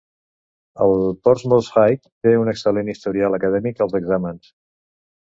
El Portsmouth High té un excel·lent historial acadèmic als exàmens.